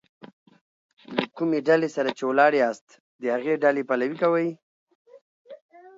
له کومي ډلي سره چي ولاړ یاست؛ د هغي ډلي پلوي کوئ!